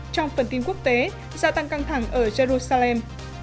trong phần tin quốc tế gia tăng căng thẳng ở jerusalem